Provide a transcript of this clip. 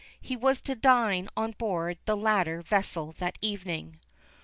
He was to dine on board the latter vessel that evening.